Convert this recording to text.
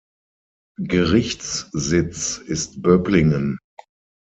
Gerichtssitz ist Böblingen.